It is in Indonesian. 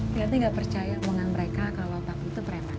nanti nggak percaya hubungan mereka kalau pak pi itu preman